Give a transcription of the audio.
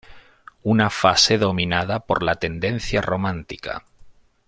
Una fase dominada por la tendencia romántica.